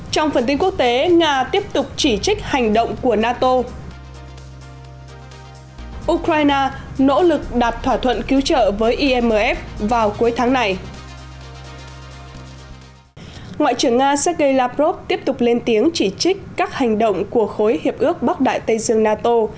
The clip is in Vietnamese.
trong phần tin quốc tế nga tiếp tục chỉ trích hành động của nato